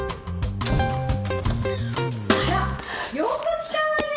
あらよく来たわね。